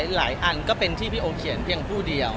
อันก็เป็นที่พี่โอเขียนเพียงผู้เดียว